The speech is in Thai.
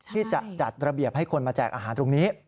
ที่จะจัดระเบียบให้คนมาแจกอาหารตรงนี้